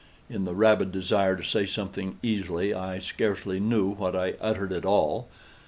(In the rabid desire to say something easily, I scarcely knew what I uttered at all.)